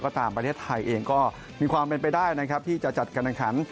ยกตามประเทศไทยเองก็มีความเป็นไปได้ที่จะจัดการรับขัน